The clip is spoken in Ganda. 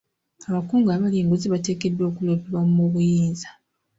Abakungu abalya enguzi bateekeddwa okuloopebwa mu b'obuyinza.